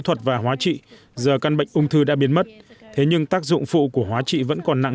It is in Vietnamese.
thuật và hóa trị giờ căn bệnh ung thư đã biến mất thế nhưng tác dụng phụ của hóa trị vẫn còn nặng